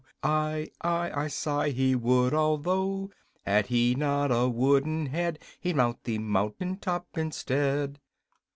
Aye, aye! I sigh, he would, although Had he not had a wooden head He'd mount the mountain top instead."